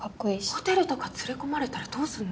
ホテルとか連れ込まれたらどうするの？